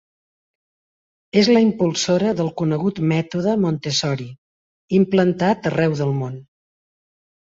És la impulsora del conegut mètode Montessori, implantat arreu del món.